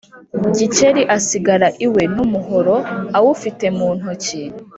Gikeli asigara iwe n’umuhoro awufite muntoki